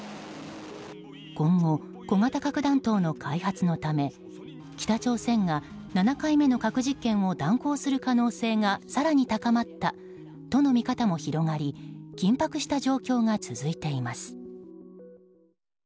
今後、小型核弾頭の開発のため北朝鮮が７回目の核実験を断行する可能性が更に高まったとの見方も広がり緊迫した状況が続いています。